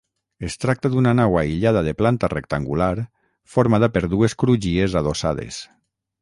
Es tracta d'una nau aïllada de planta rectangular, formada per dues crugies adossades.